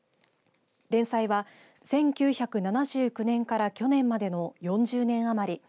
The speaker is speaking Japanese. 連載は１９７９年から去年までの４０年余り。